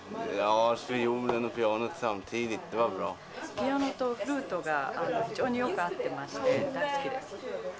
ピアノとフルートが非常によく合ってまして大好きです。